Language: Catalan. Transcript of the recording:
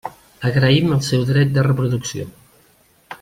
Agraïm el seu dret de reproducció.